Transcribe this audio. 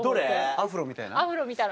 アフロみたいな。